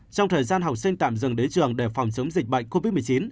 trong thời gian học sinh tạm dừng đến trường để phòng chống dịch bệnh covid một mươi chín